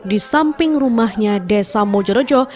di samping rumahnya desa mojorejo